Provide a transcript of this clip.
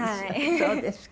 そうですか。